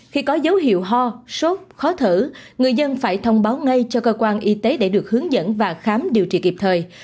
khi có dấu hiệu ho sốt khó thở người dân phải thông báo ngay cho cơ quan y tế để được hướng dẫn và khám điều trị kịp thời